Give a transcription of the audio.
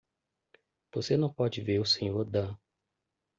Você não pode ver o Sr. Dan.